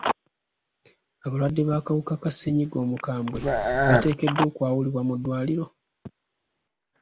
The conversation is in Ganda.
Abalwadde b'akawuka ka ssenyiga omukambwe bateekeddwa okwawulibwa mu ddwaliro?